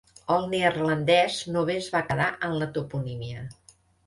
El neerlandès només va quedar en la toponímia.